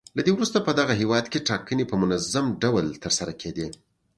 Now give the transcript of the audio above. تر دې وروسته په دغه هېواد کې ټاکنې په منظم ډول ترسره کېدې.